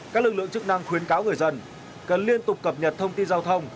các lực lượng chức năng khuyến cáo người dân cần liên tục cập nhật thông tin giao thông